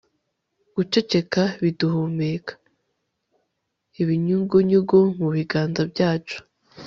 guceceka biduhumeka, ibinyugunyugu mu biganza byacu